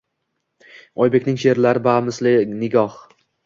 Oybekning she’rlari bamisli nigoh